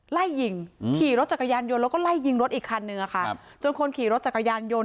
ไล่ยิงขี่รถจักรยานยนต์แล้วก็ไล่ยิงรถอีกคันนึงอะค่ะครับจนคนขี่รถจักรยานยนต์